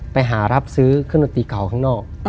ไปหารับซื้อเครื่องดนตรีเก่าข้างนอก